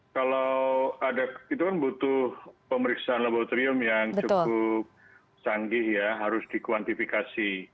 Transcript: kalau ada itu kan butuh pemeriksaan laboratorium yang cukup canggih ya harus dikuantifikasi